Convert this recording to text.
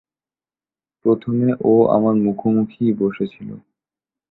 প্রথমে ও আমার মুখোমুখিই বসে ছিল।